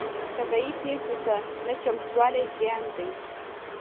طبیعي پیښو ته نه چمتووالی زیان دی.